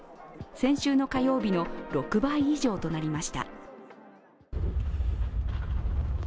先週の火曜日の６倍以上となりました。